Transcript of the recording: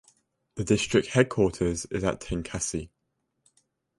The district headquarters is at Tenkasi.